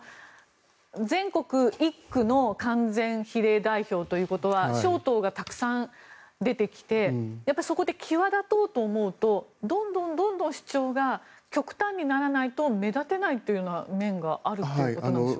全国１区の完全比例代表ということは小党がたくさん出てきてそこで際立とうと思うとどんどん主張が極端にならないと目立てないという面があるということなんでしょうか。